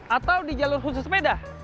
atau di jalur khusus sepeda